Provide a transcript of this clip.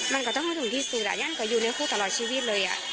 มันก็ต้องถึงที่สูตรอ่ะยันก็อยู่ในคู่ตลอดชีวิตเลยอ่ะ